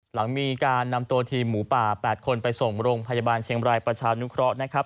หลังมีการนำตัวทีมหมูป่า๘คนไปส่งโรงพยาบาลเชียงบรายประชานุเคราะห์นะครับ